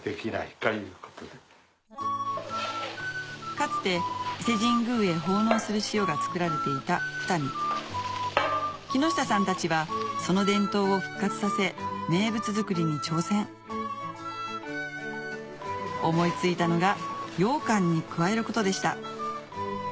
かつて伊勢神宮へ奉納する塩が作られていた二見木下さんたちはその伝統を復活させ名物作りに挑戦思いついたのがようかんに加えることでした